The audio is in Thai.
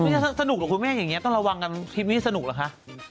ไม่ใช่สนุกหรอกคุณเมฆอย่างเงี้ยต้องระวังกันคลิปนี้สนุกหรอกคะ